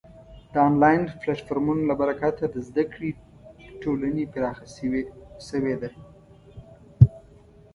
د آنلاین پلتفورمونو له برکته د زده کړې ټولنې پراخه شوې ده.